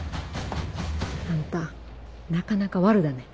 あんたなかなか悪女だね。